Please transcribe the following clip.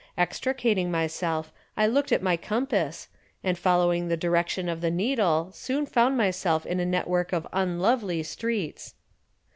Extricating myself, I looked at my compass, and following the direction of the needle soon found myself in a network of unlovely streets.